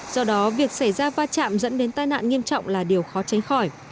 do đó việc xảy ra va chạm dẫn đến tai nạn nghiêm trọng là điều khó tránh khỏi